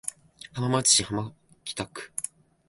浜松市浜北区